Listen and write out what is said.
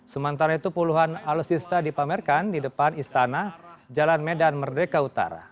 sementara itu puluhan alutsista dipamerkan di depan istana jalan medan merdeka utara